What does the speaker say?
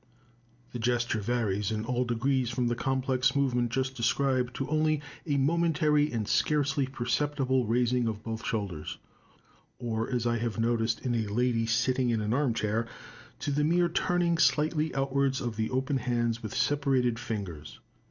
The gesture varies in all degrees from the complex movement, just described, to only a momentary and scarcely perceptible raising of both shoulders; or, as I have noticed in a lady sitting in an arm chair, to the mere turning slightly outwards of the open hands with separated fingers.